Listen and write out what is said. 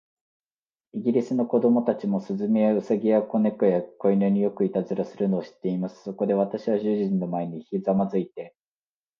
イギリスの子供たちも、雀や、兎や、小猫や、小犬に、よくいたずらをするのを知っています。そこで、私は主人の前にひざまずいて